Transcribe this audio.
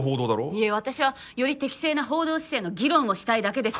いえ私はより適正な報道姿勢の議論をしたいだけです。